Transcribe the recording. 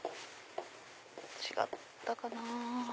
違ったかな？